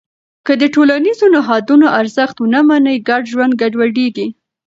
که د ټولنیزو نهادونو ارزښت ونه منې، ګډ ژوند ګډوډېږي.